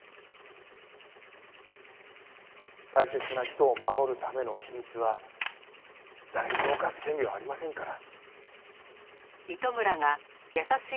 大切な人を守るための秘密は誰にも侵す権利はありませんから。